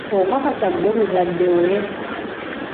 Okakasa ggwe muzadde we?